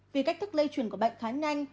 vì cách thức lây chuyển của bệnh khá nhanh